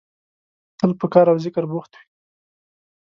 تل په کار او ذکر بوخت وي.